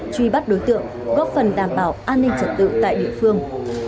truy bắt đối tượng góp phần đảm bảo an ninh trật tự tại địa phương